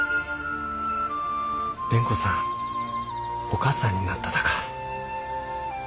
蓮子さんお母さんになっただか。